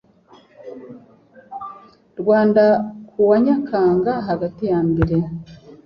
Rwanda kuwa Nyakanga hagati ya mbere